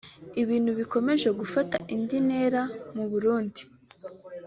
Ibintu bikomeje gufata indi ntera mu Burundi